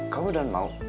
kamu udah mau